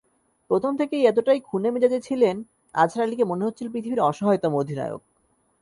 প্রথম থেকেই এতটাই খুনে মেজাজে ছিলেন, আজহার আলীকে মনে হচ্ছিল পৃথিবীর অসহায়তম অধিনায়ক।